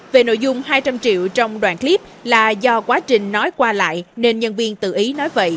về nội dung hai trăm linh triệu trong đoạn clip là do quá trình nói qua lại nên nhân viên tự ý nói vậy